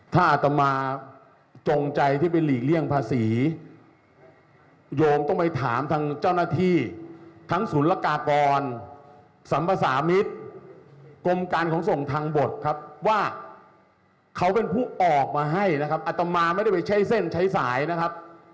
เขาเป็นผู้ออกมาให้นะครับอัตมาไม่ได้ไปใช้เส้นใช้สายนะครับ